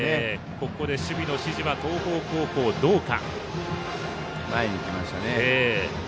ここで守備の指示は東邦高校、どうか。